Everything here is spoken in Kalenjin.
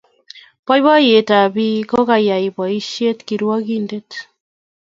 Boiboyetab ab biik ko koyay boiset kirwongindet